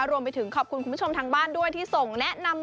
รวมไปถึงขอบคุณคุณผู้ชมทางบ้านด้วยที่ส่งแนะนำ